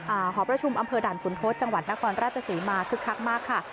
หอประชุมอำเภอด่านขุนทศจังหวัดนครราชศรีมาคึกคักมากค่ะ